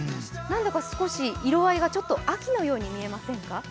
何だか少し色合いが秋のように見えませんか？